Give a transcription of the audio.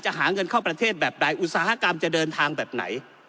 หาเงินเข้าประเทศแบบใดอุตสาหกรรมจะเดินทางแบบไหน